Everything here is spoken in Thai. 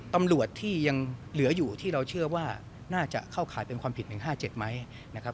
ตำรวจที่ยังเหลืออยู่ที่เราเชื่อว่าน่าจะเข้าข่ายเป็นความผิด๑๕๗ไหมนะครับ